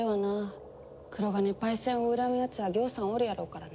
黒鋼パイセンを恨むやつはぎょうさんおるやろからな。